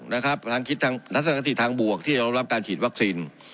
นะครับทางคิดทางนักศึกษาธิตทางบวกที่จะรับรับการฉีดวัคซีน